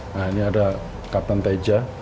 nah ini ada kapten teja